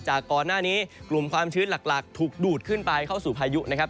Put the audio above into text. ก่อนหน้านี้กลุ่มความชื้นหลักถูกดูดขึ้นไปเข้าสู่พายุนะครับ